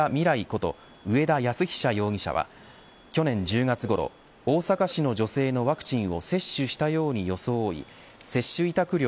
こと上田泰久容疑者は去年１０月ごろ大阪市の女性のワクチンを接種したように装い接種委託料